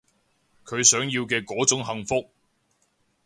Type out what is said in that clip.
佢想要嘅嗰種幸福